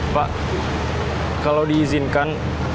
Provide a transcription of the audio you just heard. pak kalau diizinkan